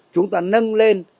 chúng ta nâng lên